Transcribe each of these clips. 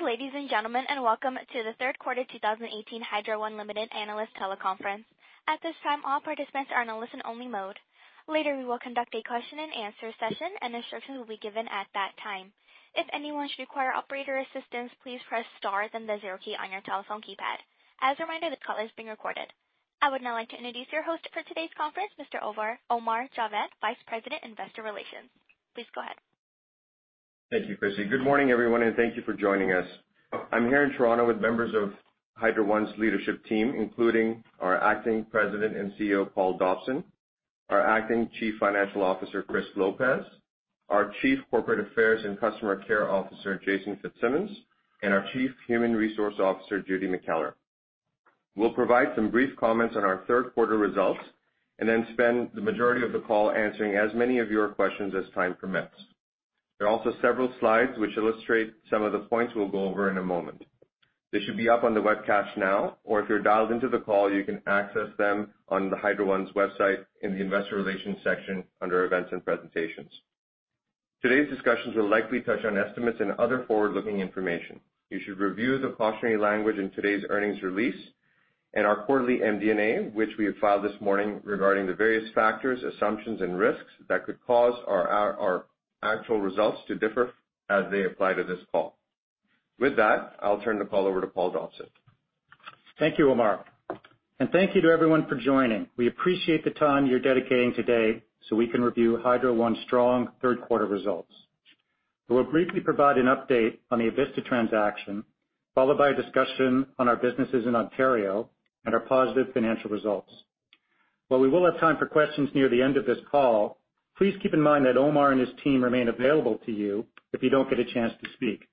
Good day, ladies and gentlemen, and welcome to the third quarter 2018 Hydro One Limited analyst teleconference. At this time, all participants are in a listen-only mode. Later, we will conduct a question and answer session, and instructions will be given at that time. If anyone should require operator assistance, please press star then the zero key on your telephone keypad. As a reminder, this call is being recorded. I would now like to introduce your host for today's conference, Mr. Omar Javed, Vice President, Investor Relations. Please go ahead. Thank you, Christie. Good morning, everyone, and thank you for joining us. I'm here in Toronto with members of Hydro One's leadership team, including our acting President and CEO, Paul Dobson, our acting Chief Financial Officer, Chris Lopez, our Chief Corporate Affairs and Customer Care Officer, Jason Fitzsimmons, and our Chief Human Resources Officer, Judy McKellar. We'll provide some brief comments on our third quarter results and then spend the majority of the call answering as many of your questions as time permits. There are also several slides which illustrate some of the points we'll go over in a moment. They should be up on the webcast now, or if you're dialed into the call, you can access them on the Hydro One's website in the investor relations section under events and presentations. Today's discussions will likely touch on estimates and other forward-looking information. You should review the cautionary language in today's earnings release and our quarterly MD&A, which we have filed this morning, regarding the various factors, assumptions, and risks that could cause our actual results to differ as they apply to this call. With that, I'll turn the call over to Paul Dobson. Thank you, Omar. Thank you to everyone for joining. We appreciate the time you're dedicating today so we can review Hydro One's strong third-quarter results. We'll briefly provide an update on the Avista transaction, followed by a discussion on our businesses in Ontario and our positive financial results. While we will have time for questions near the end of this call, please keep in mind that Omar and his team remain available to you if you don't get a chance to speak.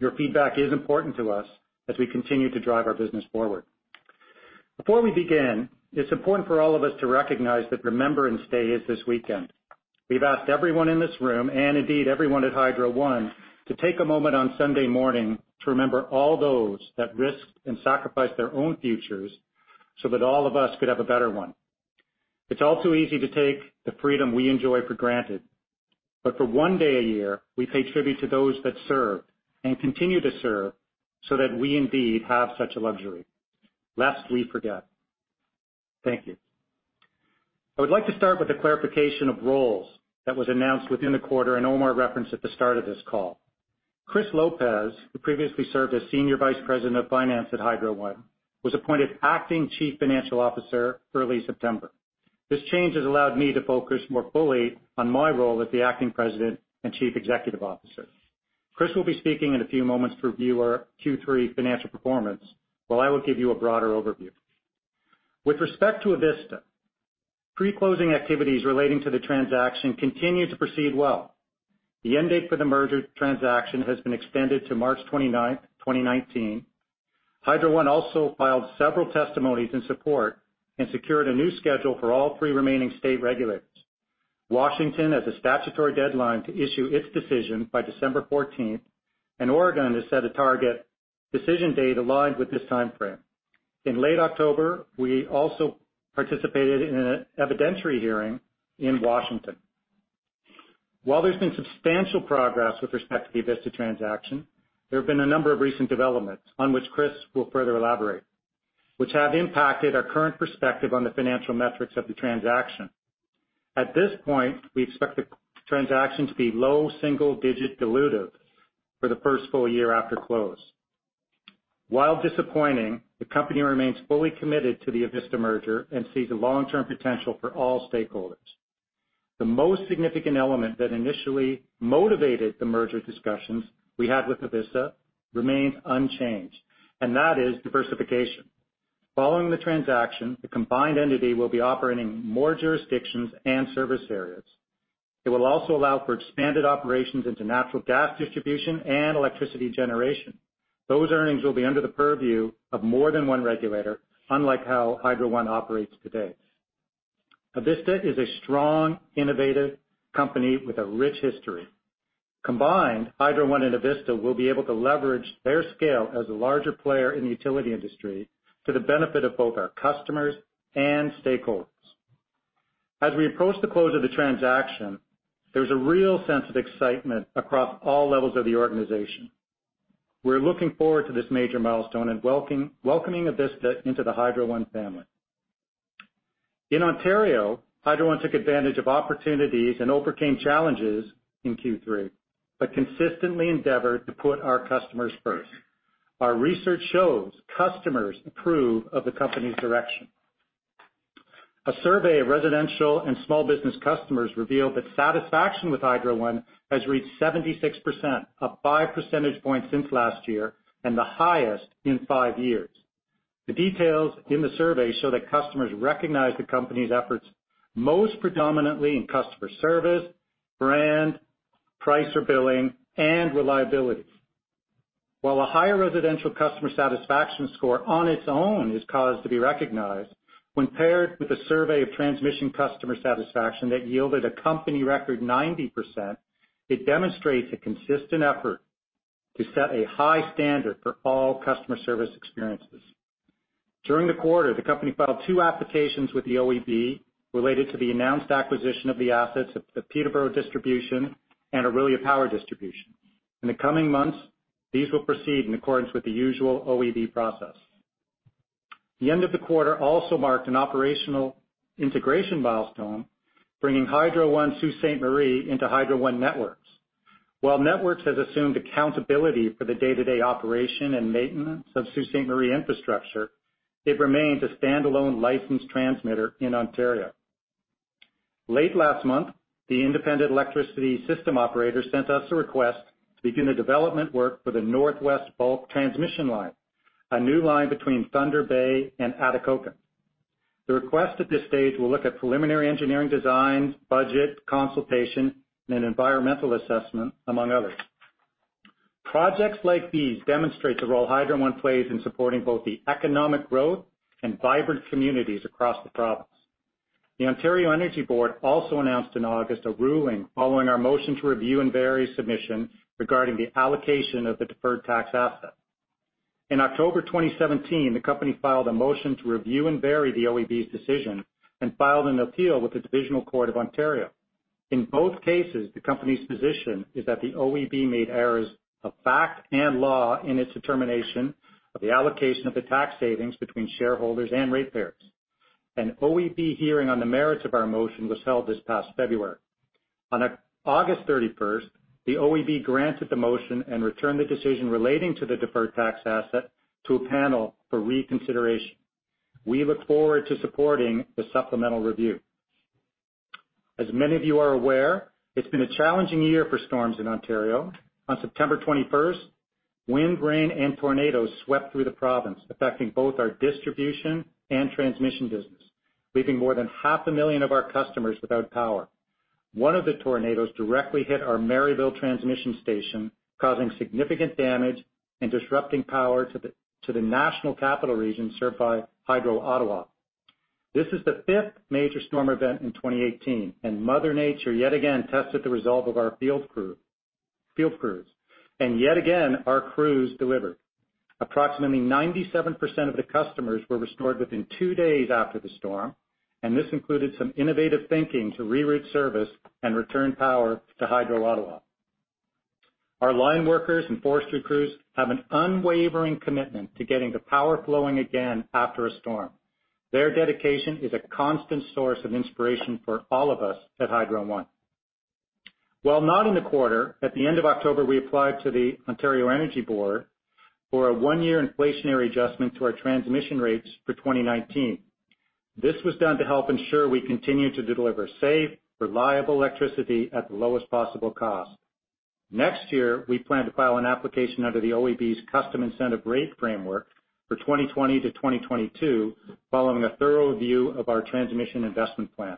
Your feedback is important to us as we continue to drive our business forward. Before we begin, it's important for all of us to recognize that Remembrance Day is this weekend. We've asked everyone in this room, and indeed everyone at Hydro One, to take a moment on Sunday morning to remember all those that risked and sacrificed their own futures so that all of us could have a better one. It's all too easy to take the freedom we enjoy for granted. For one day a year, we pay tribute to those that served and continue to serve so that we indeed have such a luxury. Lest we forget. Thank you. I would like to start with a clarification of roles that was announced within the quarter and Omar referenced at the start of this call. Chris Lopez, who previously served as Senior Vice President of Finance at Hydro One, was appointed Acting Chief Financial Officer early September. This change has allowed me to focus more fully on my role as the Acting President and Chief Executive Officer. Chris will be speaking in a few moments to review our Q3 financial performance, while I will give you a broader overview. With respect to Avista, pre-closing activities relating to the transaction continue to proceed well. The end date for the merger transaction has been extended to March 29th, 2019. Hydro One also filed several testimonies in support and secured a new schedule for all three remaining state regulators. Washington has a statutory deadline to issue its decision by December 14th, and Oregon has set a target decision date aligned with this timeframe. In late October, we also participated in an evidentiary hearing in Washington. There's been substantial progress with respect to the Avista transaction, there have been a number of recent developments, on which Chris will further elaborate, which have impacted our current perspective on the financial metrics of the transaction. At this point, we expect the transaction to be low-single-digit dilutive for the first full year after close. Disappointing, the company remains fully committed to the Avista merger and sees a long-term potential for all stakeholders. The most significant element that initially motivated the merger discussions we had with Avista remains unchanged, and that is diversification. Following the transaction, the combined entity will be operating in more jurisdictions and service areas. It will also allow for expanded operations into natural gas distribution and electricity generation. Those earnings will be under the purview of more than one regulator, unlike how Hydro One operates today. Avista is a strong, innovative company with a rich history. Combined, Hydro One and Avista will be able to leverage their scale as a larger player in the utility industry to the benefit of both our customers and stakeholders. As we approach the close of the transaction, there's a real sense of excitement across all levels of the organization. We're looking forward to this major milestone and welcoming Avista into the Hydro One family. In Ontario, Hydro One took advantage of opportunities and overcame challenges in Q3, consistently endeavored to put our customers first. Our research shows customers approve of the company's direction. A survey of residential and small business customers revealed that satisfaction with Hydro One has reached 76%, up five percentage points since last year, and the highest in five years. The details in the survey show that customers recognize the company's efforts most predominantly in customer service, brand, price or billing, and reliability. While a higher residential customer satisfaction score on its own is cause to be recognized, when paired with a survey of transmission customer satisfaction that yielded a company record 90%, it demonstrates a consistent effort to set a high standard for all customer service experiences. During the quarter, the company filed two applications with the OEB related to the announced acquisition of the assets of Peterborough Distribution and Orillia Power Distribution. In the coming months, these will proceed in accordance with the usual OEB process. The end of the quarter also marked an operational integration milestone, bringing Hydro One Sault Ste. Marie into Hydro One Networks. While Networks has assumed accountability for the day-to-day operation and maintenance of Sault Ste. Marie infrastructure, it remains a standalone licensed transmitter in Ontario. Late last month, the Independent Electricity System Operator sent us a request to begin the development work for the Northwest Bulk Transmission Line, a new line between Thunder Bay and Atikokan. The request at this stage will look at preliminary engineering designs, budget, consultation, and an environmental assessment, among others. Projects like these demonstrate the role Hydro One plays in supporting both the economic growth and vibrant communities across the province. The Ontario Energy Board also announced in August a ruling following our motion to review and vary submission regarding the allocation of the deferred tax asset. In October 2017, the company filed a motion to review and vary the OEB's decision and filed an appeal with the Divisional Court of Ontario. In both cases, the company's position is that the OEB made errors of fact and law in its determination of the allocation of the tax savings between shareholders and ratepayers. An OEB hearing on the merits of our motion was held this past February. On August 31st, the OEB granted the motion and returned the decision relating to the deferred tax asset to a panel for reconsideration. We look forward to supporting the supplemental review. As many of you are aware, it's been a challenging year for storms in Ontario. On September 21st, wind, rain, and tornadoes swept through the province, affecting both our distribution and transmission business, leaving more than half a million of our customers without power. One of the tornadoes directly hit our Merivale transmission station, causing significant damage and disrupting power to the national capital region served by Hydro Ottawa. This is the fifth major storm event in 2018. Mother Nature yet again tested the resolve of our field crews. Yet again, our crews delivered. Approximately 97% of the customers were restored within two days after the storm, and this included some innovative thinking to reroute service and return power to Hydro Ottawa. Our line workers and forestry crews have an unwavering commitment to getting the power flowing again after a storm. Their dedication is a constant source of inspiration for all of us at Hydro One. While not in the quarter, at the end of October, we applied to the Ontario Energy Board for a one-year inflationary adjustment to our transmission rates for 2019. This was done to help ensure we continue to deliver safe, reliable electricity at the lowest possible cost. Next year, we plan to file an application under the OEB's Custom Incentive Rate framework for 2020 to 2022, following a thorough review of our transmission investment plan.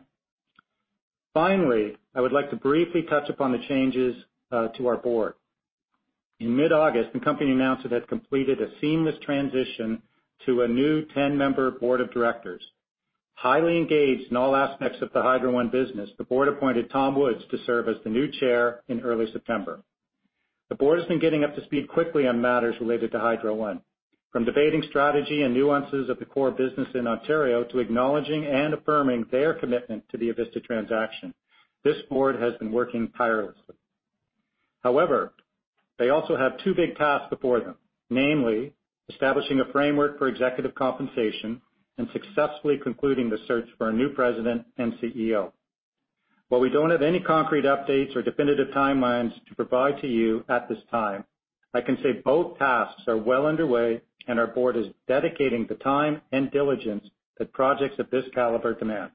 Finally, I would like to briefly touch upon the changes to our board. In mid-August, the company announced it had completed a seamless transition to a new 10-member board of directors. Highly engaged in all aspects of the Hydro One business, the board appointed Tom Woods to serve as the new Chair in early September. The board has been getting up to speed quickly on matters related to Hydro One. From debating strategy and nuances of the core business in Ontario to acknowledging and affirming their commitment to the Avista transaction. This board has been working tirelessly. They also have two big tasks before them, namely, establishing a framework for executive compensation and successfully concluding the search for a new President and CEO. While we don't have any concrete updates or definitive timelines to provide to you at this time, I can say both tasks are well underway, and our board is dedicating the time and diligence that projects of this caliber demand.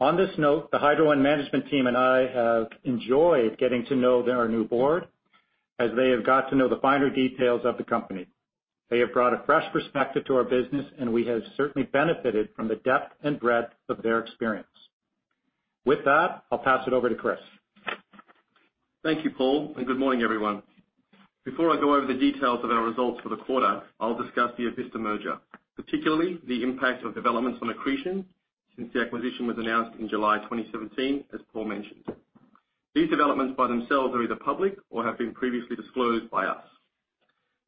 On this note, the Hydro One management team and I have enjoyed getting to know our new board as they have got to know the finer details of the company. They have brought a fresh perspective to our business, and we have certainly benefited from the depth and breadth of their experience. With that, I'll pass it over to Chris. Thank you, Paul, and good morning, everyone. Before I go over the details of our results for the quarter, I'll discuss the Avista merger, particularly the impact of developments on accretion since the acquisition was announced in July 2017, as Paul mentioned. These developments by themselves are either public or have been previously disclosed by us.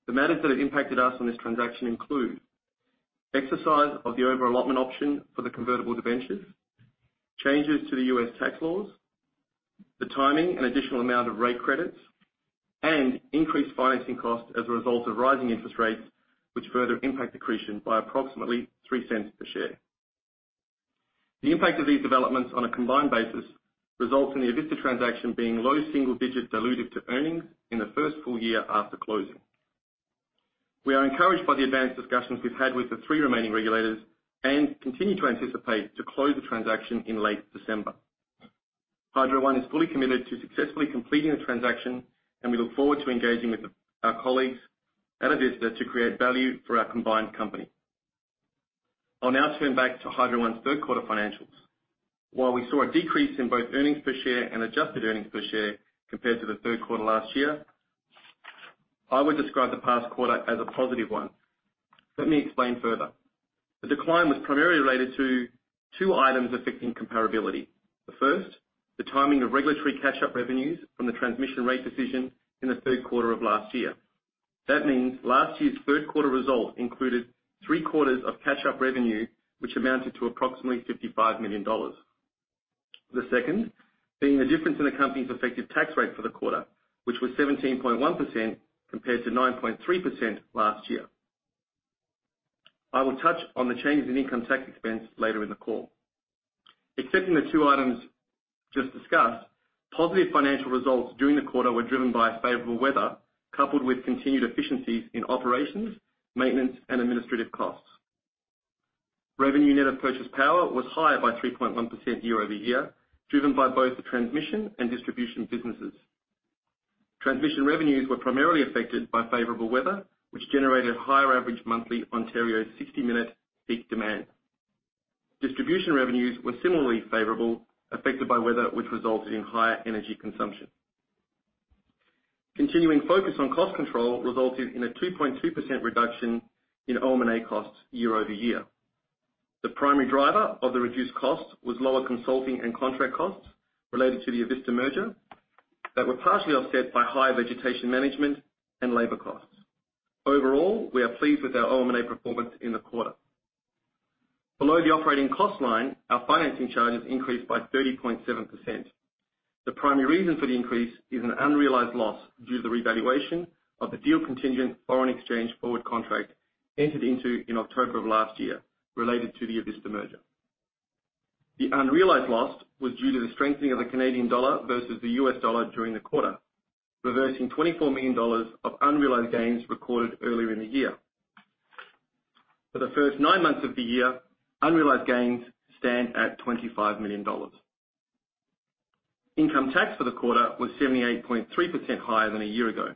The matters that have impacted us on this transaction include exercise of the over-allotment option for the convertible debentures, changes to the U.S. tax laws, the timing and additional amount of rate credits, and increased financing costs as a result of rising interest rates, which further impact accretion by approximately 0.03 per share. The impact of these developments on a combined basis results in the Avista transaction being low single digits dilutive to earnings in the first full year after closing. We are encouraged by the advanced discussions we've had with the three remaining regulators and continue to anticipate to close the transaction in late December. Hydro One is fully committed to successfully completing the transaction, and we look forward to engaging with our colleagues at Avista to create value for our combined company. I'll now turn back to Hydro One's third-quarter financials. While we saw a decrease in both earnings per share and adjusted earnings per share compared to the third quarter last year, I would describe the past quarter as a positive one. Let me explain further. The decline was primarily related to two items affecting comparability. The first, the timing of regulatory catch-up revenues from the transmission rate decision in the third quarter of last year. That means last year's third quarter results included three quarters of catch-up revenue, which amounted to approximately 55 million dollars. The second, being the difference in the company's effective tax rate for the quarter, which was 17.1% compared to 9.3% last year. I will touch on the changes in income tax expense later in the call. Excepting the two items just discussed, positive financial results during the quarter were driven by favorable weather, coupled with continued efficiencies in operations, maintenance, and administrative costs. Revenue net of purchase power was higher by 3.1% year-over-year, driven by both the transmission and distribution businesses. Transmission revenues were primarily affected by favorable weather, which generated higher average monthly Ontario 60-minute peak demand. Distribution revenues were similarly favorable, affected by weather, which resulted in higher energy consumption. Continuing focus on cost control resulted in a 2.2% reduction in O&A costs year-over-year. The primary driver of the reduced cost was lower consulting and contract costs related to the Avista merger that were partially offset by higher vegetation management and labor costs. Overall, we are pleased with our O&A performance in the quarter. Below the operating cost line, our financing charges increased by 30.7%. The primary reason for the increase is an unrealized loss due to the revaluation of the deal contingent foreign exchange forward contract entered into in October of last year related to the Avista merger. The unrealized loss was due to the strengthening of the Canadian dollar versus the US dollar during the quarter, reversing $24 million of unrealized gains recorded earlier in the year. For the first nine months of the year, unrealized gains stand at $25 million. Income tax for the quarter was 78.3% higher than a year ago.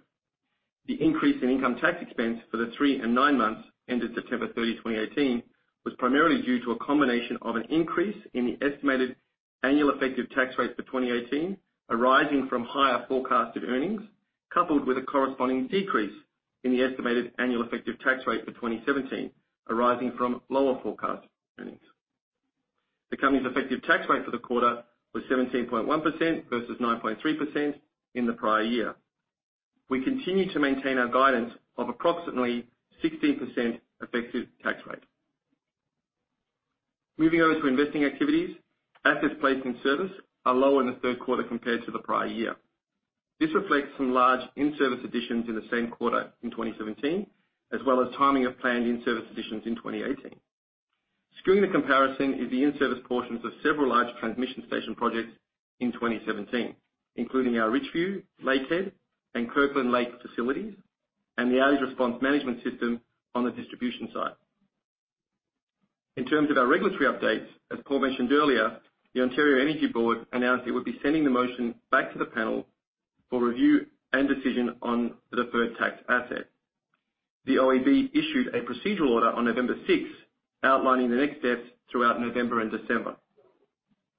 The increase in income tax expense for the three and nine months ended September 30, 2018, was primarily due to a combination of an increase in the estimated annual effective tax rate for 2018, arising from higher forecasted earnings, coupled with a corresponding decrease in the estimated annual effective tax rate for 2017, arising from lower forecast earnings. The company's effective tax rate for the quarter was 17.1% versus 9.3% in the prior year. We continue to maintain our guidance of approximately 16% effective tax rate. Moving over to investing activities, assets placed in service are low in the third quarter compared to the prior year. This reflects some large in-service additions in the same quarter in 2017, as well as timing of planned in-service additions in 2018. Skewing the comparison is the in-service portions of several large transmission station projects in 2017, including our Richview, Lakehead, and Kirkland Lake facilities and the Outage Response Management system on the distribution side. In terms of our regulatory updates, as Paul mentioned earlier, the Ontario Energy Board announced it would be sending the motion back to the panel for review and decision on the deferred tax asset. The OEB issued a procedural order on November 6th, outlining the next steps throughout November and December.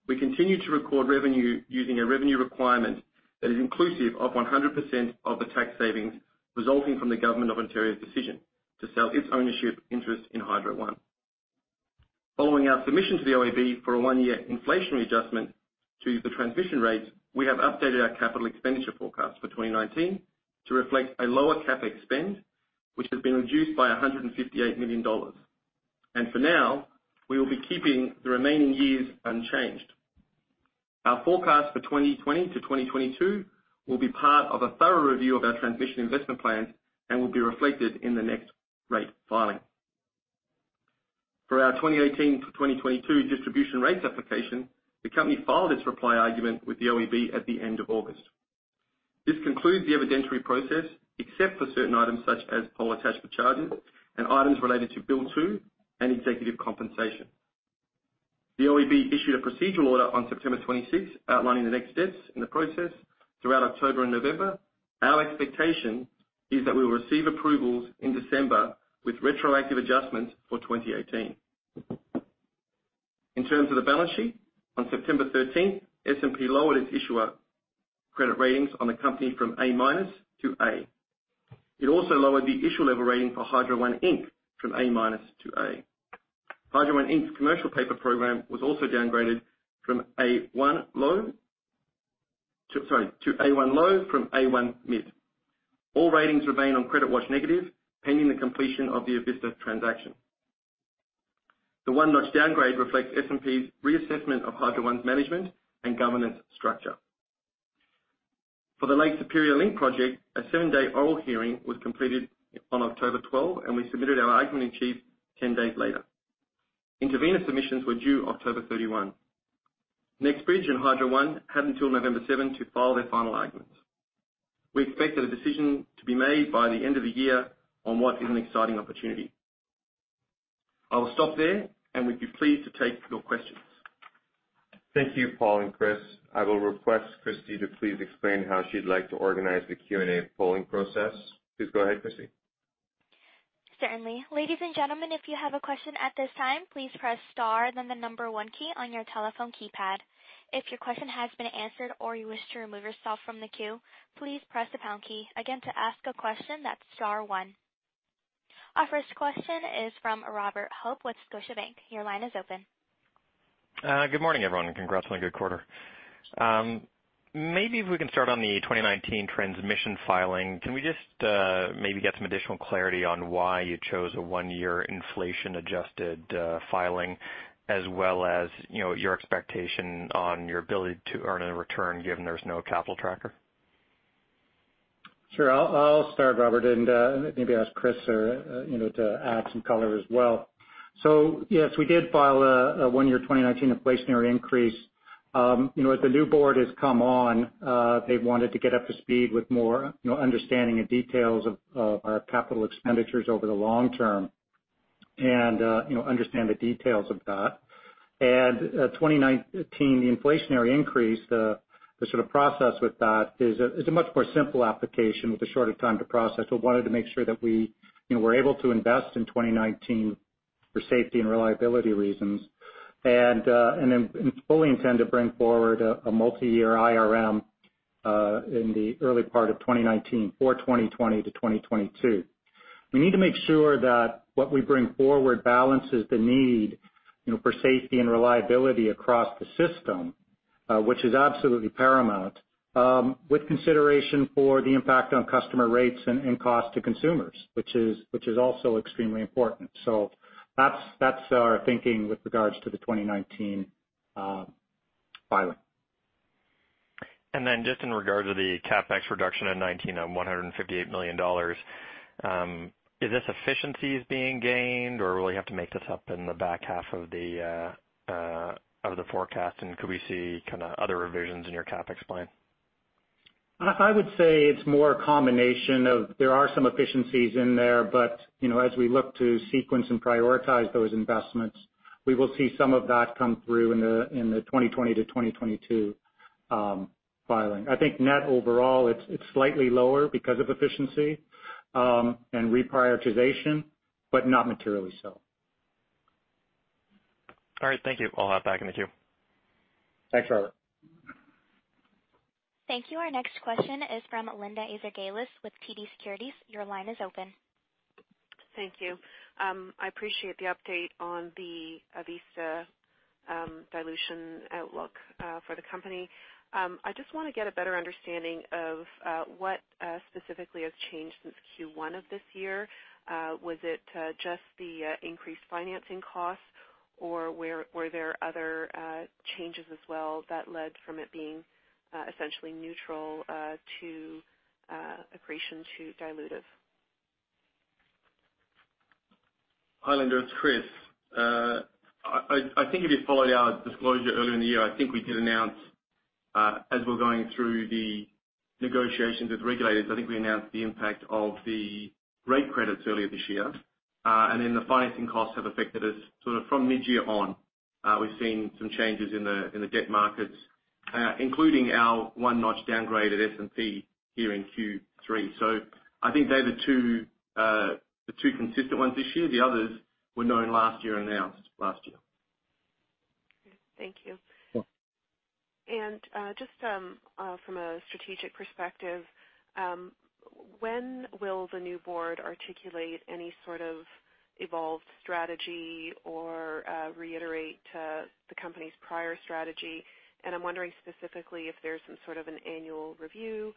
We continue to record revenue using a revenue requirement that is inclusive of 100% of the tax savings resulting from the government of Ontario's decision to sell its ownership interest in Hydro One. Following our submission to the OEB for a one-year inflationary adjustment to the transmission rates, we have updated our capital expenditure forecast for 2019 to reflect a lower CapEx spend, which has been reduced by 158 million dollars. For now, we will be keeping the remaining years unchanged. Our forecast for 2020 to 2022 will be part of a thorough review of our transmission investment plans and will be reflected in the next rate filing. For our 2018 to 2022 distribution rates application, the company filed its reply argument with the OEB at the end of August. This concludes the evidentiary process, except for certain items such as pole attachment charges and items related to Bill 2 and executive compensation. The OEB issued a procedural order on September 26th, outlining the next steps in the process throughout October and November. Our expectation is that we will receive approvals in December with retroactive adjustments for 2018. In terms of the balance sheet, on September 13th, S&P lowered its issuer credit ratings on the company from A- to A. It also lowered the issuer level rating for Hydro One Inc. from A- to A. Hydro One Inc.'s commercial paper program was also downgraded to A-1(low) from A-1(mid). All ratings remain on credit watch negative, pending the completion of the Avista transaction. The one-notch downgrade reflects S&P's reassessment of Hydro One's management and governance structure. For the Lake Superior Link project, a seven-day oral hearing was completed on October 12, we submitted our argument in chief 10 days later. Intervenor submissions were due October 31. NextBridge and Hydro One had until November 7 to file their final arguments. We expect a decision to be made by the end of the year on what is an exciting opportunity. I will stop there and we'd be pleased to take your questions. Thank you, Paul and Chris. I will request Christie to please explain how she'd like to organize the Q&A polling process. Please go ahead, Christie. Certainly. Ladies and gentlemen, if you have a question at this time, please press star then the number one key on your telephone keypad. If your question has been answered or you wish to remove yourself from the queue, please press the pound key. Again, to ask a question, that's star one. Our first question is from Robert Hope with Scotiabank. Your line is open. Good morning, everyone. Congrats on a good quarter. Maybe if we can start on the 2019 transmission filing. Can we just maybe get some additional clarity on why you chose a one-year inflation-adjusted filing as well as your expectation on your ability to earn a return, given there's no capital tracker? Sure. I'll start, Robert, Maybe ask Chris to add some color as well. Yes, we did file a one-year 2019 inflationary increase. As the new board has come on, they wanted to get up to speed with more understanding of details of our capital expenditures over the long term and understand the details of that. 2019, the inflationary increase, the sort of process with that is a much more simple application with a shorter time to process. We wanted to make sure that we were able to invest in 2019 for safety and reliability reasons and fully intend to bring forward a multi-year IRM in the early part of 2019 for 2020 to 2022. We need to make sure that what we bring forward balances the need for safety and reliability across the system, which is absolutely paramount, with consideration for the impact on customer rates and cost to consumers, which is also extremely important. That's our thinking with regards to the 2019 filing. Just in regard to the CapEx reduction in 2019 of CAD 158 million, is this efficiencies being gained, or will you have to make this up in the back half of the forecast? Could we see other revisions in your CapEx plan? I would say it's more a combination of there are some efficiencies in there, but as we look to sequence and prioritize those investments, we will see some of that come through in the 2020 to 2022 filing. I think net overall, it's slightly lower because of efficiency and reprioritization, but not materially so. All right. Thank you. I'll hop back in the queue. Thanks, Robert. Thank you. Our next question is from Linda Ezergailis with TD Securities. Your line is open. Thank you. I appreciate the update on the Avista dilution outlook for the company. I just want to get a better understanding of what specifically has changed since Q1 of this year. Was it just the increased financing costs, or were there other changes as well that led from it being essentially neutral to accretion to dilutive? Hi, Linda. It's Chris. I think if you followed our disclosure earlier in the year, I think we did announce, as we're going through the negotiations with regulators, I think we announced the impact of the rate credits earlier this year. The financing costs have affected us sort of from mid-year on. We've seen some changes in the debt markets, including our one-notch downgrade at S&P here in Q3. I think they're the two consistent ones this year. The others were known last year and announced last year. Thank you. Sure. Just from a strategic perspective, when will the new board articulate any sort of evolved strategy or reiterate the company's prior strategy? I'm wondering specifically if there's some sort of an annual review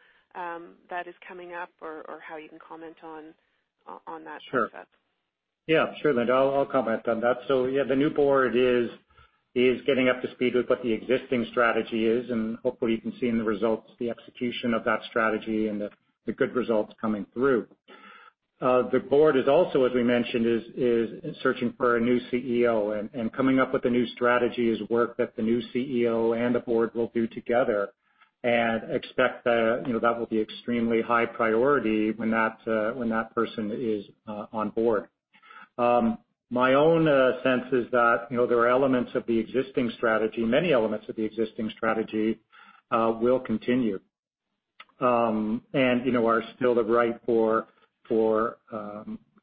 that is coming up or how you can comment on that process. Sure. Yeah, sure, Linda. I'll comment on that. Yeah, the new board is getting up to speed with what the existing strategy is, and hopefully you can see in the results the execution of that strategy and the good results coming through. The board is also, as we mentioned, is searching for a new CEO and coming up with a new strategy is work that the new CEO and the board will do together and expect that will be extremely high priority when that person is on board. My own sense is that there are elements of the existing strategy, many elements of the existing strategy, will continue. Are still the right for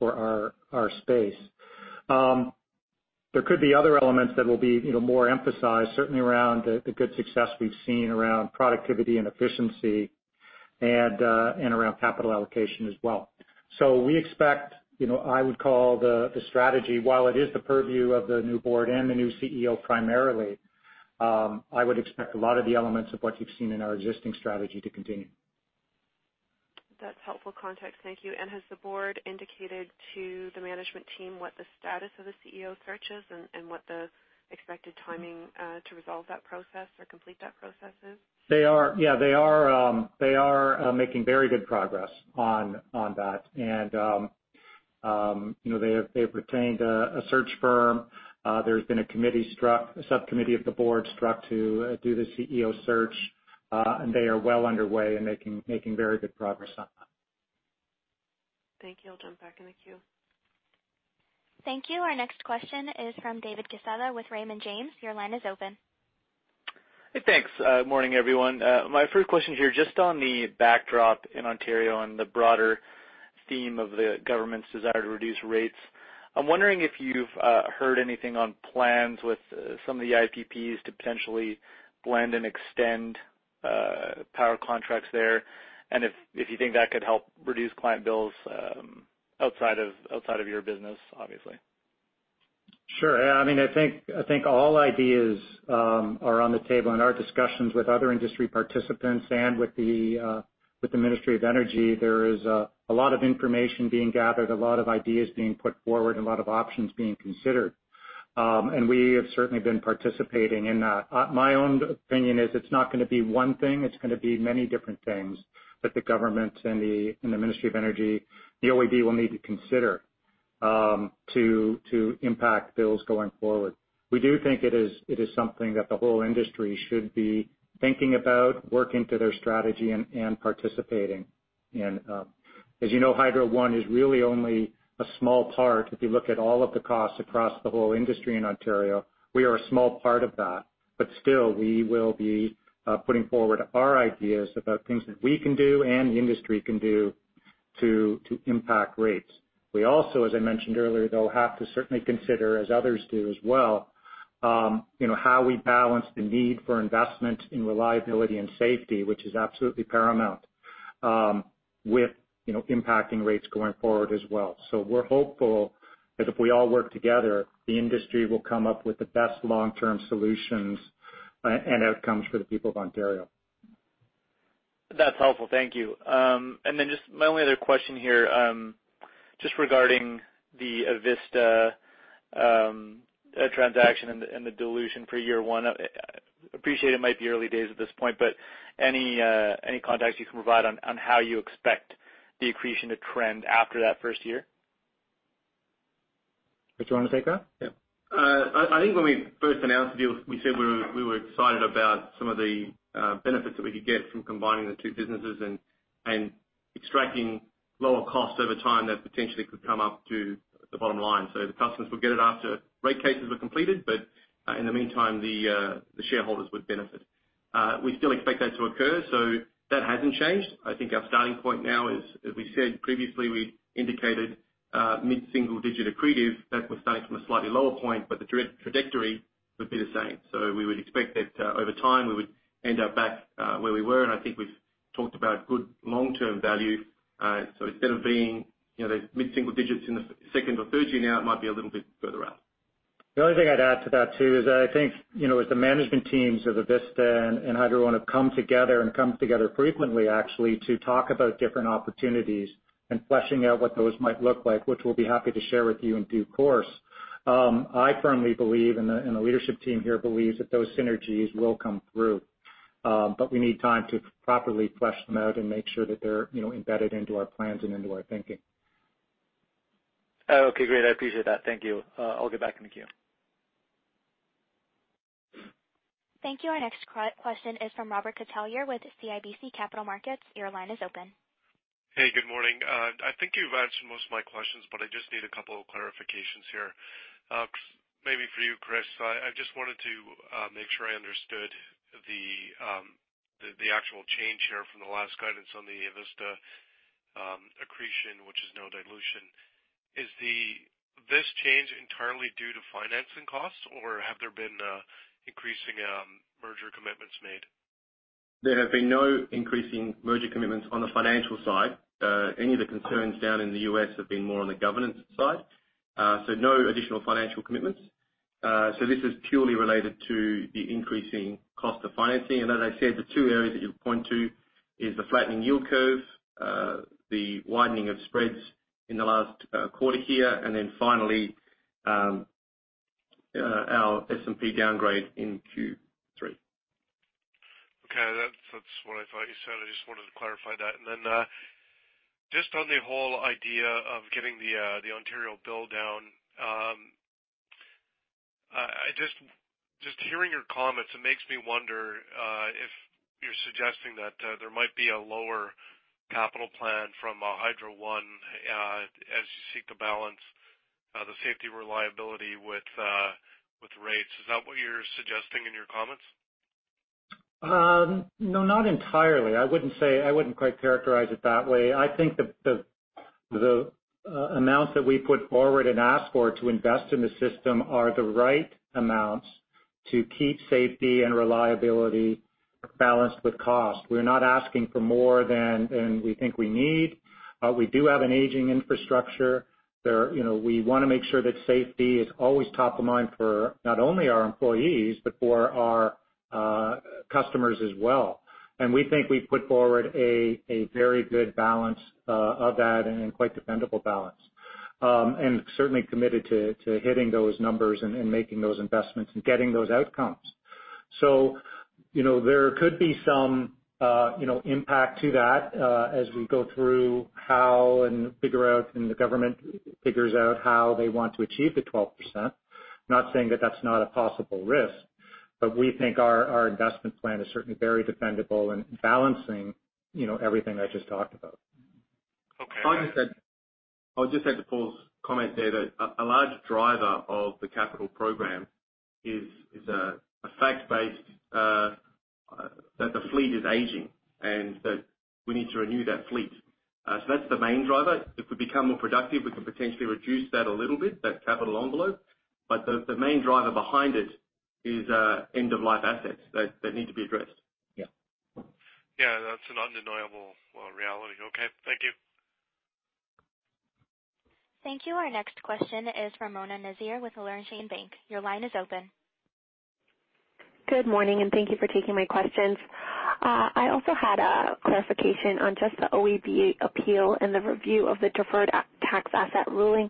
our space. There could be other elements that will be more emphasized, certainly around the good success we've seen around productivity and efficiency and around capital allocation as well. We expect, I would call the strategy, while it is the purview of the new board and the new CEO primarily, I would expect a lot of the elements of what you've seen in our existing strategy to continue. That's helpful context. Thank you. Has the board indicated to the management team what the status of the CEO search is and what the expected timing to resolve that process or complete that process is? Yeah. They are making very good progress on that. They've retained a search firm. There's been a subcommittee of the board struck to do the CEO search. They are well underway and making very good progress on that. Thank you. I'll jump back in the queue. Thank you. Our next question is from David Quezada with Raymond James. Your line is open. Hey, thanks. Morning, everyone. My first question here, just on the backdrop in Ontario and the broader theme of the government's desire to reduce rates. I'm wondering if you've heard anything on plans with some of the IPPs to potentially blend and extend power contracts there, and if you think that could help reduce client bills outside of your business, obviously. Sure. I think all ideas are on the table in our discussions with other industry participants and with the Ministry of Energy. There is a lot of information being gathered, a lot of ideas being put forward, and a lot of options being considered. We have certainly been participating in that. My own opinion is it's not going to be one thing, it's going to be many different things that the government and the Ministry of Energy, the OEB, will need to consider to impact bills going forward. We do think it is something that the whole industry should be thinking about, working to their strategy, and participating in. As you know, Hydro One is really only a small part. If you look at all of the costs across the whole industry in Ontario, we are a small part of that, but still, we will be putting forward our ideas about things that we can do and the industry can do to impact rates. We also, as I mentioned earlier, though, have to certainly consider, as others do as well, how we balance the need for investment in reliability and safety, which is absolutely paramount, with impacting rates going forward as well. We're hopeful that if we all work together, the industry will come up with the best long-term solutions and outcomes for the people of Ontario. That's helpful. Thank you. Then just my only other question here, just regarding the Avista transaction and the dilution for year one. Appreciate it might be early days at this point, but any context you can provide on how you expect the accretion to trend after that first year? Chris, do you want to take that? Yeah. I think when we first announced the deal, we said we were excited about some of the benefits that we could get from combining the two businesses and extracting lower costs over time that potentially could come up to the bottom line. The customers would get it after rate cases were completed. In the meantime, the shareholders would benefit. We still expect that to occur, so that hasn't changed. I think our starting point now is, as we said previously, we indicated mid-single digit accretive. That was starting from a slightly lower point, but the trajectory would be the same. We would expect that over time, we would end up back where we were, and I think we've talked about good long-term value. Instead of being those mid-single digits in the second or third year, now it might be a little bit further out. The only thing I'd add to that too is I think as the management teams of Avista and Hydro One have come together and come together frequently, actually, to talk about different opportunities and fleshing out what those might look like, which we'll be happy to share with you in due course. I firmly believe, and the leadership team here believes, that those synergies will come through. We need time to properly flesh them out and make sure that they're embedded into our plans and into our thinking. Okay, great. I appreciate that. Thank you. I'll get back in the queue. Thank you. Our next question is from Robert Catellier with CIBC Capital Markets. Your line is open. Hey, good morning. I think you've answered most of my questions, but I just need a couple of clarifications here. Maybe for you, Chris, I just wanted to make sure I understood the actual change here from the last guidance on the Avista accretion, which is no dilution. Is this change entirely due to financing costs, or have there been increasing merger commitments made? There have been no increasing merger commitments on the financial side. Any of the concerns down in the U.S. have been more on the governance side. No additional financial commitments. This is purely related to the increasing cost of financing. As I said, the two areas that you point to is the flattening yield curve, the widening of spreads in the last quarter here, and then finally, our S&P downgrade in Q3. Okay, that's what I thought you said. I just wanted to clarify that. Just on the whole idea of getting the Ontario bill down, just hearing your comments, it makes me wonder if you're suggesting that there might be a lower capital plan from Hydro One as you seek to balance the safety reliability with rates. Is that what you're suggesting in your comments? No, not entirely. I wouldn't quite characterize it that way. I think the amounts that we put forward and ask for to invest in the system are the right amounts to keep safety and reliability balanced with cost. We're not asking for more than we think we need. We do have an aging infrastructure. We want to make sure that safety is always top of mind for not only our employees, but for our customers as well. We think we put forward a very good balance of that and quite dependable balance. Certainly committed to hitting those numbers and making those investments and getting those outcomes. There could be some impact to that as we go through how and the government figures out how they want to achieve the 12%. Not saying that that's not a possible risk. We think our investment plan is certainly very dependable in balancing everything I just talked about. Okay. I'll just add to Paul's comment there that a large driver of the capital program is that the fleet is aging and that we need to renew that fleet. That's the main driver. If we become more productive, we can potentially reduce that a little bit, that capital envelope. The main driver behind it is end-of-life assets that need to be addressed. Yeah, that's an undeniable reality. Okay, thank you. Thank you. Our next question is from Mona Nazir with Laurentian Bank. Your line is open. Good morning, and thank you for taking my questions. I also had a clarification on just the OEB appeal and the review of the deferred tax asset ruling.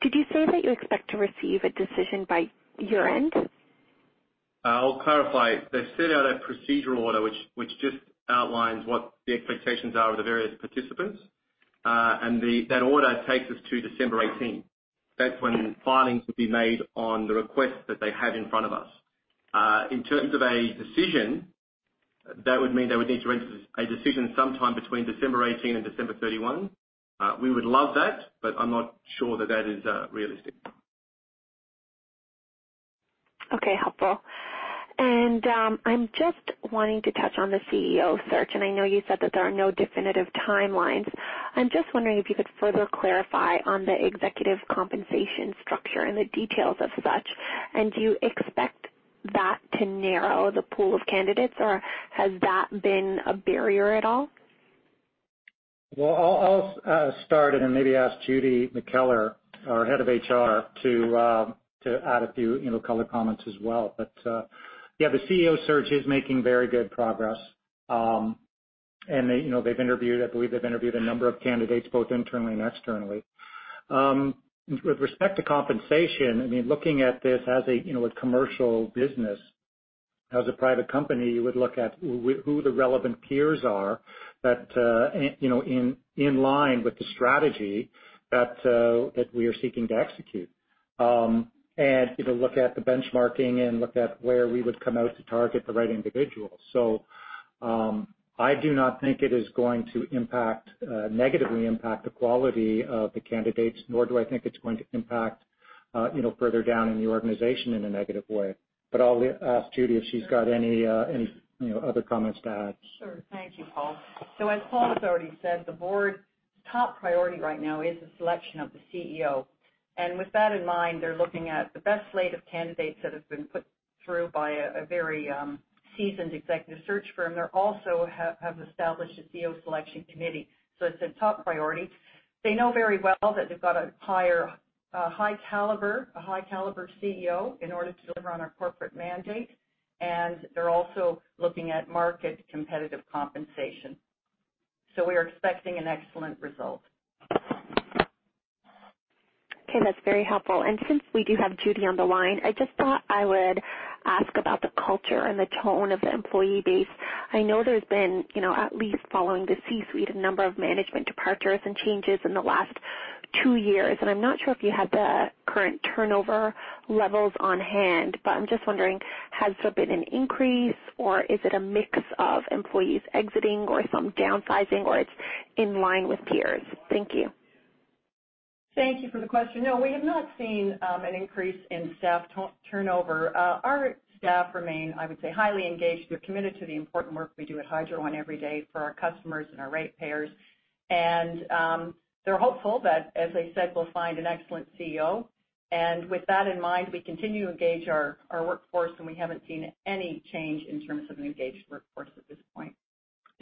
Did you say that you expect to receive a decision by year-end? I'll clarify. They've sent out a procedural order which just outlines what the expectations are of the various participants. That order takes us to December 18. That's when filings will be made on the request that they have in front of us. In terms of a decision, that would mean they would need to render a decision sometime between December 18 and December 31. We would love that, I'm not sure that is realistic. Okay, helpful. I'm just wanting to touch on the CEO search, and I know you said that there are no definitive timelines. I'm just wondering if you could further clarify on the executive compensation structure and the details of such. Do you expect that to narrow the pool of candidates, or has that been a barrier at all? Well, I'll start it and maybe ask Judy McKellar, our head of HR, to add a few colored comments as well. Yeah, the CEO search is making very good progress. I believe they've interviewed a number of candidates, both internally and externally. With respect to compensation, looking at this as a commercial business, as a private company, you would look at who the relevant peers are that, in line with the strategy that we are seeking to execute. Look at the benchmarking and look at where we would come out to target the right individual. I do not think it is going to negatively impact the quality of the candidates, nor do I think it's going to impact further down in the organization in a negative way. I'll ask Judy if she's got any other comments to add. Sure. Thank you, Paul. As Paul has already said, the board's top priority right now is the selection of the CEO. With that in mind, they're looking at the best slate of candidates that have been put through by a very seasoned executive search firm. They also have established a CEO selection committee. It's a top priority. They know very well that they've got to hire a high-caliber CEO in order to deliver on our corporate mandate, and they're also looking at market-competitive compensation. We are expecting an excellent result. Okay. That's very helpful. Since we do have Judy on the line, I just thought I would ask about the culture and the tone of the employee base. I know there's been, at least following the C-suite, a number of management departures and changes in the last two years. I'm not sure if you had the current turnover levels on hand, but I'm just wondering, has there been an increase, or is it a mix of employees exiting or some downsizing, or it's in line with peers? Thank you. Thank you for the question. No, we have not seen an increase in staff turnover. Our staff remain, I would say, highly engaged. They're committed to the important work we do at Hydro One every day for our customers and our ratepayers. They're hopeful that, as I said, we'll find an excellent CEO. With that in mind, we continue to engage our workforce, and we haven't seen any change in terms of an engaged workforce at this point.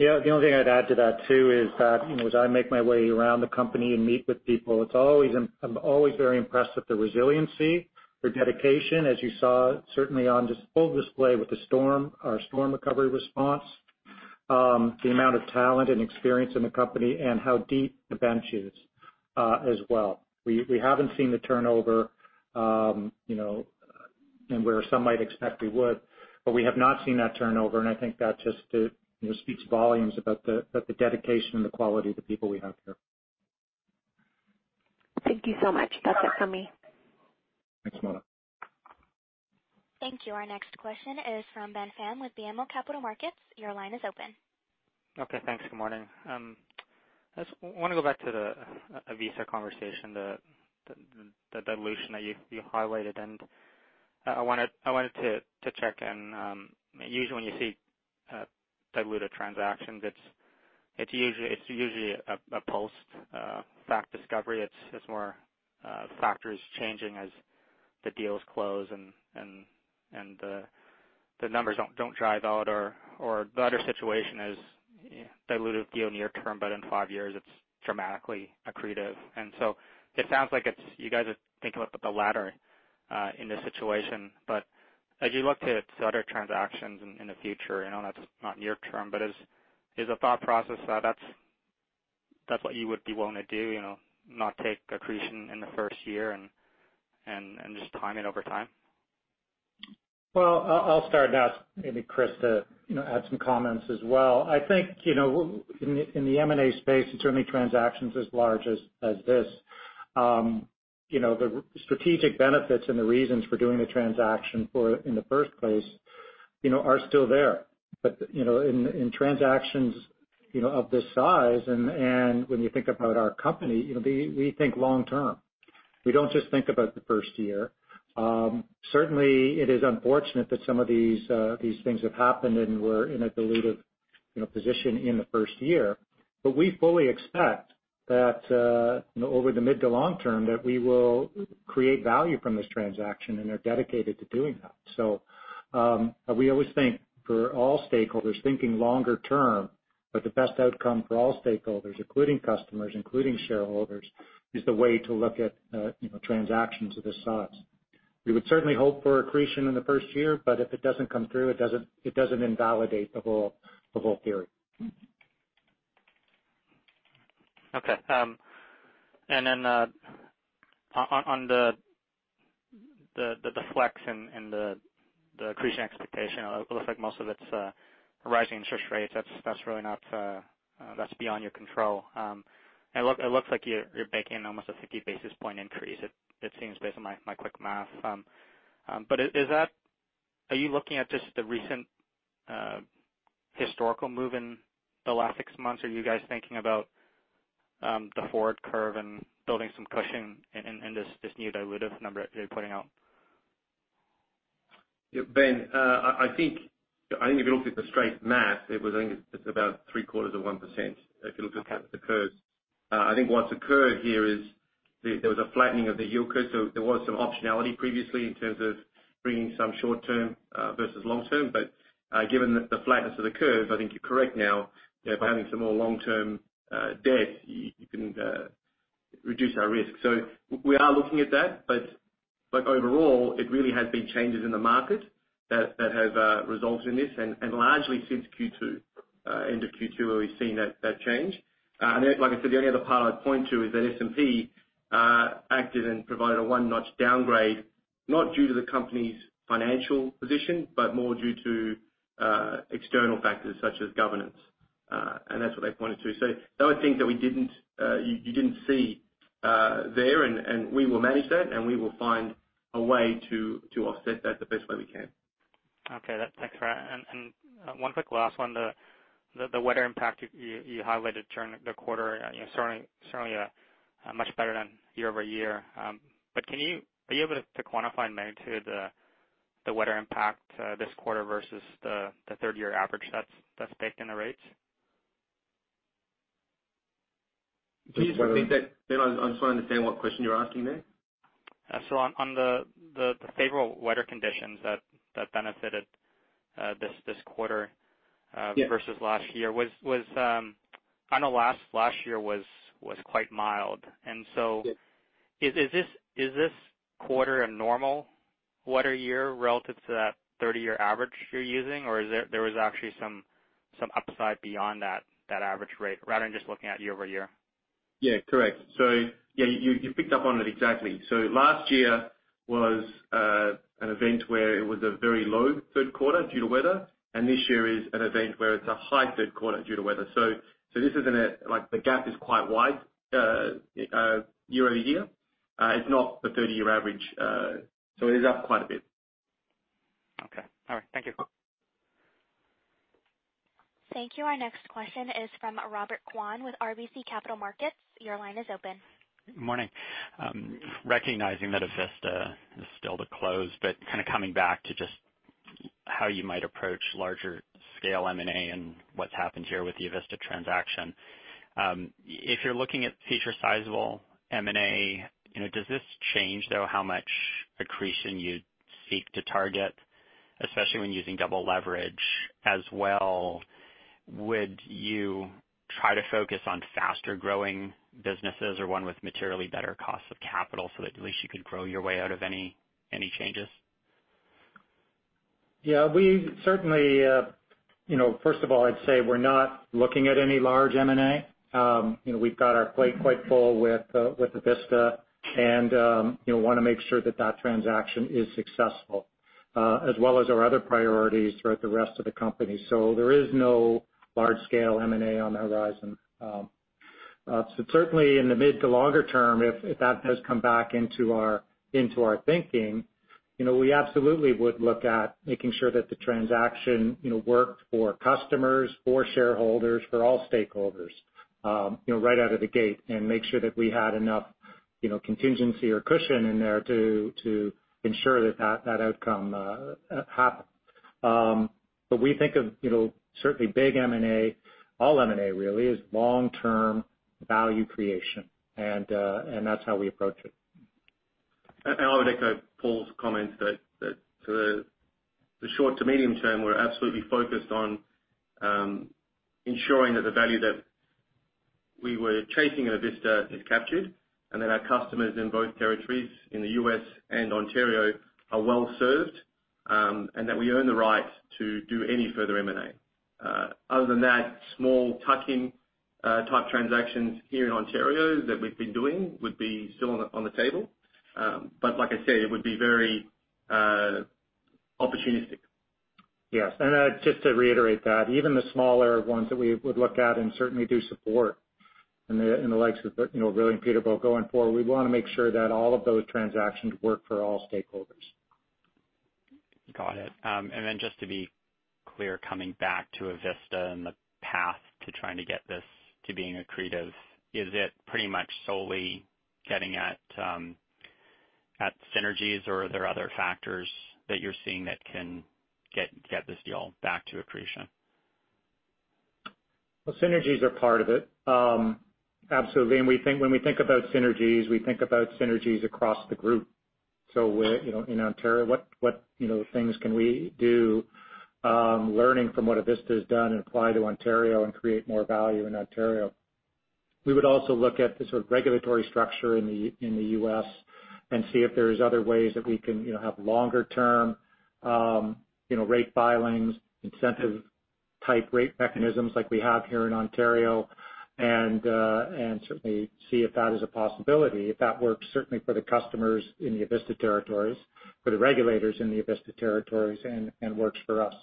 Yeah, the only thing I'd add to that, too, is that as I make my way around the company and meet with people, I'm always very impressed with the resiliency, their dedication, as you saw certainly on full display with our storm recovery response. The amount of talent and experience in the company, and how deep the bench is as well. We haven't seen the turnover, and where some might expect we would. We have not seen that turnover, and I think that just speaks volumes about the dedication and the quality of the people we have here. Thank you so much. That's it from me. Thanks, Mona. Thank you. Our next question is from Ben Pham with BMO Capital Markets. Your line is open. Okay. Thanks. Good morning. I just want to go back to the Avista conversation, the dilution that you highlighted. I wanted to check in. Usually, when you see diluted transactions, it's usually a post-facto discovery. It's more factors changing as the deals close and the numbers don't drive out or the other situation is dilutive deal near-term, but in five years, it's dramatically accretive. It sounds like you guys are thinking about the latter in this situation. As you look to other transactions in the future, I know that's not near-term, but is the thought process that's what you would be willing to do? Not take accretion in the first year and just time it over time? Well, I'll start and ask maybe Chris to add some comments as well. I think, in the M&A space and certainly transactions as large as this, the strategic benefits and the reasons for doing the transaction in the first place are still there. In transactions of this size and when you think about our company, we think long-term. We don't just think about the first year. Certainly, it is unfortunate that some of these things have happened and we're in a dilutive position in the first year. We fully expect that over the mid to long term, that we will create value from this transaction and are dedicated to doing that. We always think for all stakeholders, thinking longer term, but the best outcome for all stakeholders, including customers, including shareholders, is the way to look at transactions of this size. We would certainly hope for accretion in the first year, but if it doesn't come through, it doesn't invalidate the whole theory. Okay. Then on the flex and the accretion expectation, it looks like most of it's rising interest rates. That's beyond your control. It looks like you're baking in almost a 50 basis point increase, it seems, based on my quick math. Are you looking at just the recent historical move in the last six months? Are you guys thinking about the forward curve and building some cushion in this new dilutive number that you're putting out? Yeah, Ben, I think if you look at the straight math, it was, I think, it's about three quarters of 1%, if you look at the curves. I think what's occurred here is there was a flattening of the yield curve, there was some optionality previously in terms of bringing some short term versus long term. Given the flatness of the curve, I think you're correct now that by having some more long-term debt, you can reduce our risk. We are looking at that, overall, it really has been changes in the market that have resulted in this, and largely since end of Q2, where we've seen that change. Like I said, the only other part I'd point to is that S&P acted and provided a one-notch downgrade, not due to the company's financial position, but more due to external factors such as governance. That's what they pointed to. They were things that you didn't see there, and we will manage that, and we will find a way to offset that the best way we can. Okay. Thanks for that. One quick last one. The weather impact you highlighted during the quarter, certainly much better than year-over-year. Are you able to quantify the magnitude, the weather impact, this quarter versus the third year average that's baked in the rates? Can you just repeat that, Ben? I just want to understand what question you're asking there. On the favorable weather conditions that benefited this quarter. Yeah versus last year. I know last year was quite mild. Yes. Is this quarter a normal weather year relative to that 30 year average you're using, or there was actually some upside beyond that average rate, rather than just looking at year-over-year? Yeah, correct. Yeah, you picked up on it exactly. Last year was an event where it was a very low third quarter due to weather, this year is an event where it's a high third quarter due to weather. This isn't like, the gap is quite wide year-over-year. It's not the 30 year average. It is up quite a bit. Okay. All right. Thank you. Thank you. Our next question is from Robert Kwan with RBC Capital Markets. Your line is open. Morning. Recognizing that Avista is still to close, kind of coming back to just how you might approach larger scale M&A and what's happened here with the Avista transaction. If you're looking at future sizable M&A, does this change, though, how much accretion you'd seek to target, especially when using double leverage? As well, would you try to focus on faster growing businesses or one with materially better costs of capital so that at least you could grow your way out of any changes? Yeah. First of all, I'd say we're not looking at any large M&A. We've got our plate quite full with Avista and want to make sure that that transaction is successful, as well as our other priorities throughout the rest of the company. There is no large scale M&A on the horizon. Certainly in the mid to longer term, if that does come back into our thinking, we absolutely would look at making sure that the transaction worked for customers, for shareholders, for all stakeholders right out of the gate, and make sure that we had enough contingency or cushion in there to ensure that that outcome happens. We think of certainly big M&A, all M&A really, as long-term value creation, and that's how we approach it. I would echo Paul's comments that the short to medium term, we're absolutely focused on ensuring that the value that we were chasing in Avista is captured and that our customers in both territories, in the U.S. and Ontario, are well served, and that we earn the right to do any further M&A. Other than that, small tuck-in type transactions here in Ontario that we've been doing would be still on the table. Like I say, it would be very opportunistic. Yes. Just to reiterate that, even the smaller ones that we would look at and certainly do support in the likes of Orillia Peterborough going forward, we'd want to make sure that all of those transactions work for all stakeholders. Got it. Just to be clear, coming back to Avista and the path to trying to get this to being accretive, is it pretty much solely getting at synergies or are there other factors that you're seeing that can get this deal back to accretion? Well, synergies are part of it. Absolutely. When we think about synergies, we think about synergies across the group. In Ontario, what things can we do, learning from what Avista has done and apply to Ontario and create more value in Ontario? We would also look at the sort of regulatory structure in the U.S. and see if there's other ways that we can have longer-term rate filings, incentive-type rate mechanisms like we have here in Ontario. Certainly see if that is a possibility, if that works, certainly for the customers in the Avista territories, for the regulators in the Avista territories and works for us.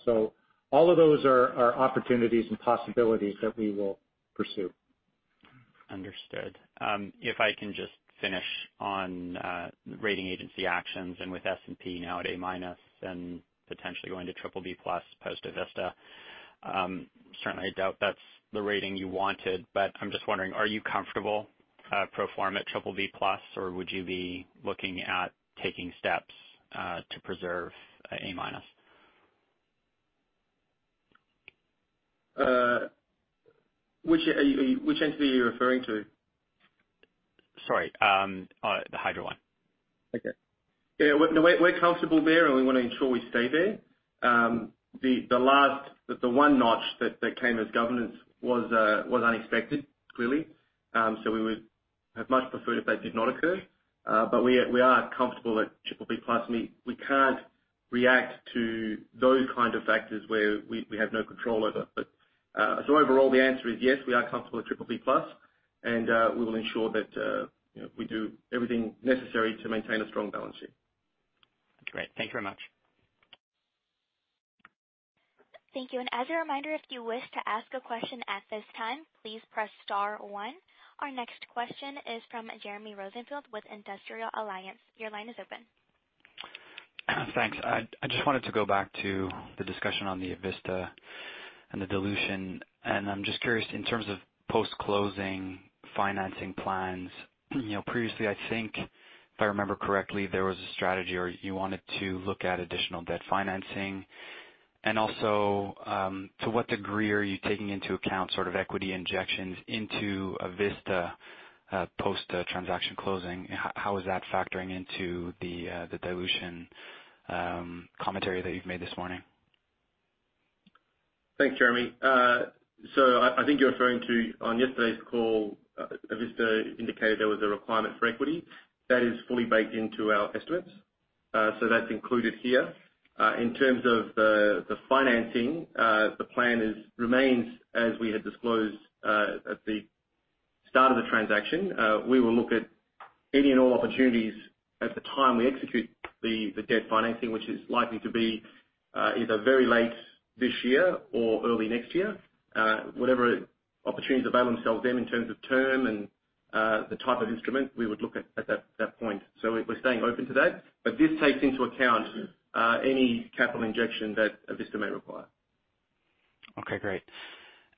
All of those are opportunities and possibilities that we will pursue. Understood. If I can just finish on rating agency actions with S&P now at A- and potentially going to BBB+ post Avista. Certainly, I doubt that's the rating you wanted, I'm just wondering, are you comfortable pro forma at BBB+ or would you be looking at taking steps to preserve A-? Which entity are you referring to? Sorry. The Hydro One. Okay. Yeah, we're comfortable there, and we want to ensure we stay there. The one notch that came as governance was unexpected, clearly. We would have much preferred if that did not occur. We are comfortable at BBB+. We can't react to those kind of factors where we have no control over. Overall, the answer is yes, we are comfortable at BBB+, and we will ensure that we do everything necessary to maintain a strong balance sheet. Great. Thank you very much. Thank you. As a reminder, if you wish to ask a question at this time, please press star one. Our next question is from Jeremy Rosenfield with Industrial Alliance. Your line is open. Thanks. I just wanted to go back to the discussion on the Avista and the dilution. I'm just curious, in terms of post-closing financing plans, previously, I think if I remember correctly, there was a strategy or you wanted to look at additional debt financing. Also, to what degree are you taking into account sort of equity injections into Avista post the transaction closing? How is that factoring into the dilution commentary that you've made this morning? Thanks, Jeremy. I think you're referring to on yesterday's call Avista indicated there was a requirement for equity. That is fully baked into our estimates. That's included here. In terms of the financing, the plan remains as we had disclosed at the start of the transaction. We will look at any and all opportunities at the time we execute the debt financing, which is likely to be either very late this year or early next year. Whatever opportunities avail themselves then in terms of term and the type of instrument we would look at that point. We're staying open to that. This takes into account any capital injection that Avista may require. Okay, great.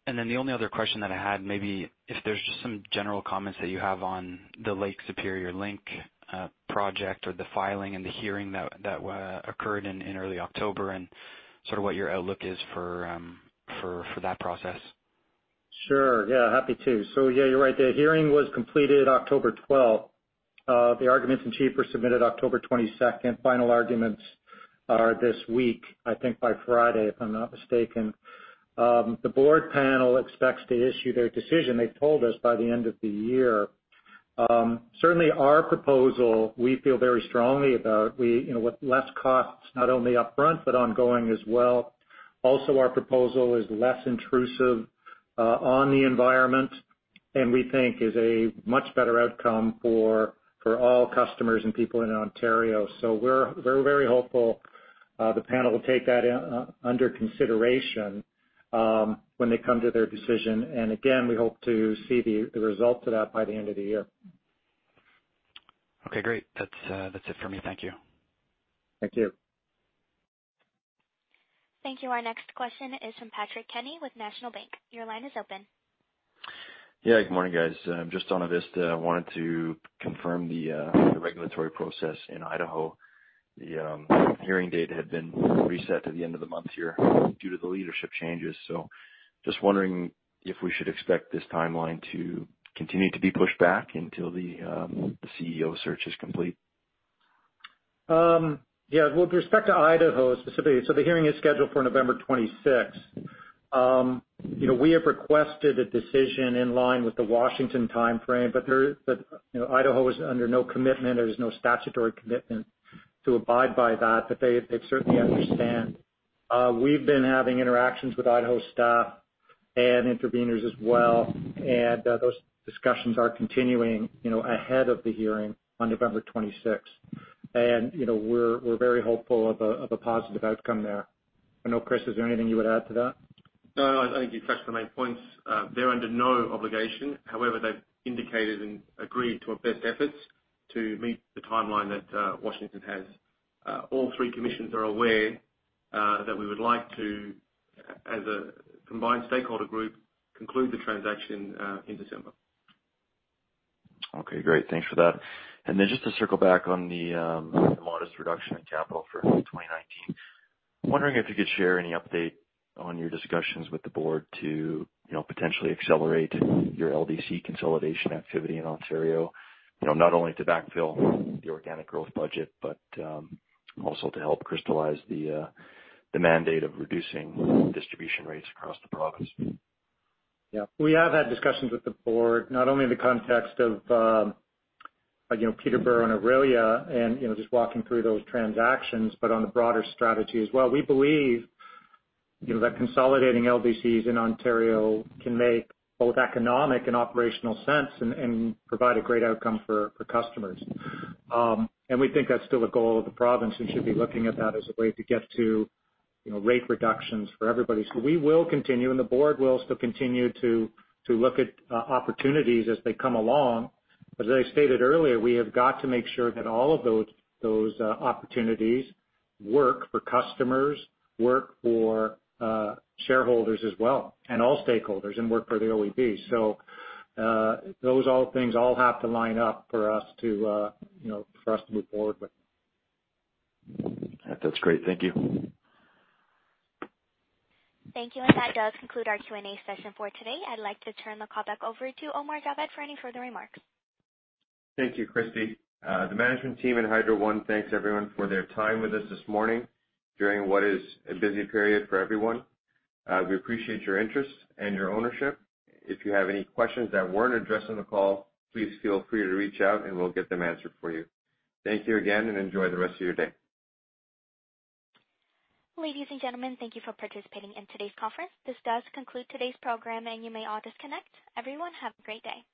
Then the only other question that I had, maybe if there's just some general comments that you have on the Lake Superior Link project or the filing and the hearing that occurred in early October and sort of what your outlook is for that process. Sure. Happy to. You're right. The hearing was completed October 12th. The arguments in chief were submitted October 22nd. Final arguments are this week, I think by Friday, if I'm not mistaken. The Board panel expects to issue their decision, they've told us, by the end of the year. Our proposal, we feel very strongly about. With less costs, not only up front but ongoing as well. Also, our proposal is less intrusive on the environment and we think is a much better outcome for all customers and people in Ontario. We're very hopeful the panel will take that under consideration when they come to their decision. Again, we hope to see the result of that by the end of the year. Great. That's it for me. Thank you. Thank you. Thank you. Our next question is from Patrick Kenny with National Bank. Your line is open. Yeah, good morning, guys. Just on Avista, I wanted to confirm the regulatory process in Idaho. The hearing date had been reset to the end of the month here due to the leadership changes. Just wondering if we should expect this timeline to continue to be pushed back until the CEO search is complete. Yeah. Well, with respect to Idaho specifically, the hearing is scheduled for November 26th. We have requested a decision in line with the Washington timeframe, Idaho is under no commitment. There is no statutory commitment to abide by that, they certainly understand. We've been having interactions with Idaho staff and interveners as well, those discussions are continuing ahead of the hearing on November 26th. We're very hopeful of a positive outcome there. I know, Chris, is there anything you would add to that? No, I think you've touched the main points. They're under no obligation. However, they've indicated and agreed to a best efforts to meet the timeline that Washington has. All three commissions are aware That we would like to, as a combined stakeholder group, conclude the transaction in December. Okay, great. Thanks for that. Just to circle back on the modest reduction in capital for 2019. Wondering if you could share any update on your discussions with the board to potentially accelerate your LDC consolidation activity in Ontario, not only to backfill the organic growth budget, but also to help crystallize the mandate of reducing distribution rates across the province. Yeah. We have had discussions with the board, not only in the context of Peterborough and Orillia and just walking through those transactions, but on the broader strategy as well. We believe that consolidating LDCs in Ontario can make both economic and operational sense and provide a great outcome for customers. We think that's still a goal of the province and should be looking at that as a way to get to rate reductions for everybody. We will continue, and the board will still continue to look at opportunities as they come along. As I stated earlier, we have got to make sure that all of those opportunities work for customers, work for shareholders as well, and all stakeholders, and work for the OEB. Those things all have to line up for us to move forward with them. That's great. Thank you. Thank you. That does conclude our Q&A session for today. I'd like to turn the call back over to Omar Javed for any further remarks. Thank you, Christie. The management team in Hydro One thanks everyone for their time with us this morning during what is a busy period for everyone. We appreciate your interest and your ownership. If you have any questions that weren't addressed on the call, please feel free to reach out and we'll get them answered for you. Thank you again, and enjoy the rest of your day. Ladies and gentlemen, thank you for participating in today's conference. This does conclude today's program. You may all disconnect. Everyone, have a great day.